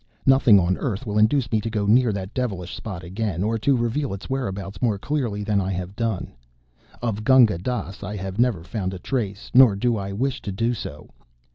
Nothing on earth will induce me to go near that devilish spot again, or to reveal its whereabouts more clearly than I have done. Of Gunga Dass I have never found a trace, nor do I wish to do.